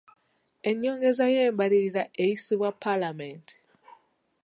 Ennyongereza y'embalirira eyisibwa paalamenti.